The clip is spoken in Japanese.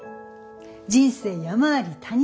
人生山あり谷あり。